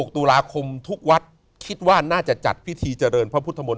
ตุลาคมทุกวัดคิดว่าน่าจะจัดพิธีเจริญพระพุทธมนต